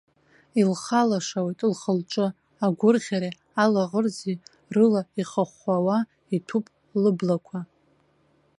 Илхалашауеит лхы-лҿы, агәырӷьеи алаӷырӡи рыла ихыхәхәауа иҭәуп лыблақәа.